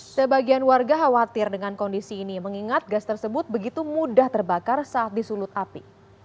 sebagian warga khawatir dengan kondisi ini mengingat gas tersebut begitu mudah terbakar saat disulut api